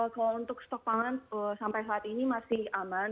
kalau untuk stok pangan sampai saat ini masih aman